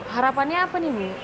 harapannya apa ibu